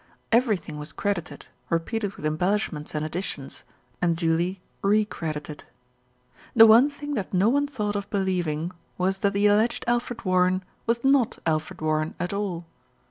Everything was credited, repeated with embellishments and additions, and duly re credited. The one thing that no one thought of believing was that the alleged Alfred Warren was not Alfred Warren at all.